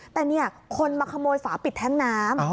แต่เนี่ยคนมาขโมยฝาปิดแท้งน้ำ